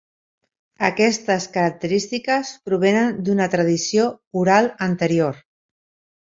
Aquestes característiques provenen d'una tradició oral anterior.